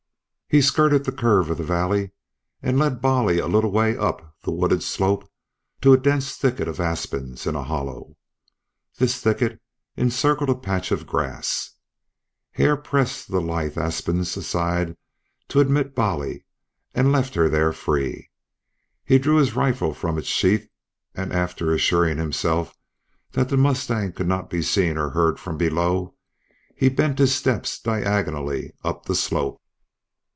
He skirted the curve of the valley and led Bolly a little way up the wooded slope to a dense thicket of aspens in a hollow. This thicket encircled a patch of grass. Hare pressed the lithe aspens aside to admit Bolly and left her there free. He drew his rifle from its sheath and, after assuring himself that the mustang could not be seen or heard from below, he bent his steps diagonally up the slope.